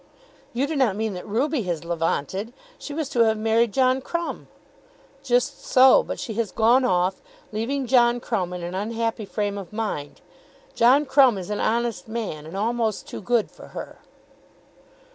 "You do not mean that Ruby has levanted? She was to have married John Crumb." "Just so, but she has gone off, leaving John Crumb in an unhappy frame of mind. John Crumb is an honest man and almost too good for her."